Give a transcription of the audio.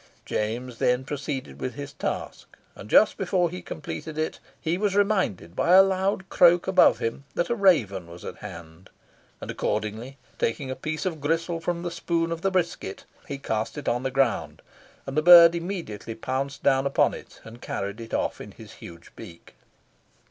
James then proceeded with his task, and just before he completed it, he was reminded, by a loud croak above him, that a raven was at hand, and accordingly taking a piece of gristle from the spoon of the brisket, he cast it on the ground, and the bird immediately pounced down upon it and carried it off in his huge beak.